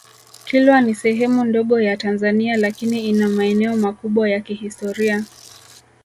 Kilwa ni sehemu ndogo ya Tanzania lakini ina maeneo makubwa ya kihistoria